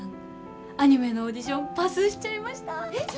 アニメのオーディションパスしちゃいました！